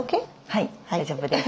はい大丈夫です。